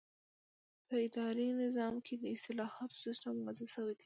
په اداري نظام کې د اصلاحاتو سیسټم واضح شوی دی.